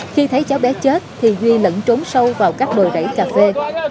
khi thấy cháu bé chết thì duy lẫn trốn sâu vào các bồi rễ